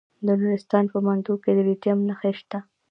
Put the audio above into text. د نورستان په مندول کې د لیتیم نښې شته.